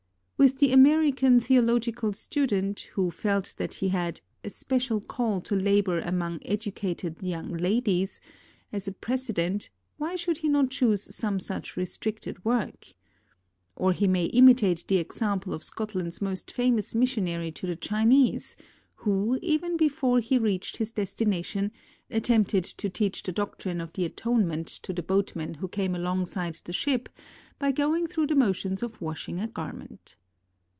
With the Ameri can theological student who felt that he had "a special call to labor among educated young ladies" as a prece dent, why should he not choose some such restricted work? Or he may imitate the example of Scotland's most famous missionary to the Chinese, who, even before he reached his destination, attempted to teach the doctrine of the atonement to the boatmen who came alongside the ship by going through the motions of washing a garment.